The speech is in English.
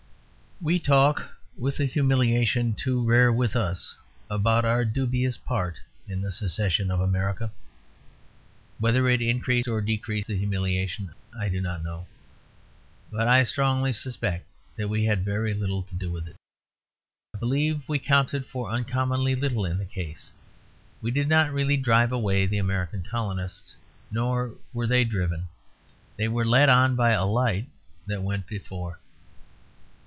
We talk, with a humiliation too rare with us, about our dubious part in the secession of America. Whether it increase or decrease the humiliation I do not know; but I strongly suspect that we had very little to do with it. I believe we counted for uncommonly little in the case. We did not really drive away the American colonists, nor were they driven. They were led on by a light that went before.